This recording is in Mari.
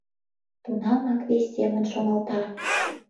Тунамак вес семын шоналта.